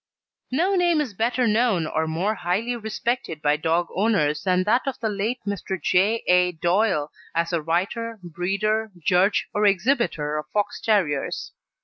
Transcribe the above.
No name is better known or more highly respected by dog owners than that of the late Mr. J. A. Doyle, as a writer, breeder, judge, or exhibitor of Fox terriers.